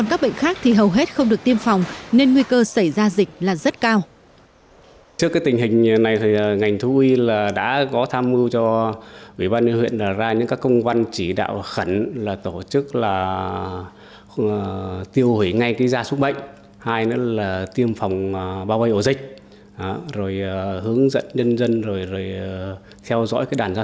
các bệnh khác thì hầu hết không được tiêm phòng nên nguy cơ xảy ra dịch là rất cao